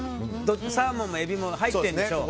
サーモンもえびも入ってるでしょ。